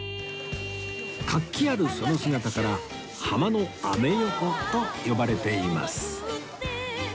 活気あるその姿から「ハマのアメ横」と呼ばれています